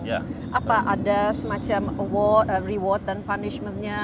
apa ada semacam reward dan punishment nya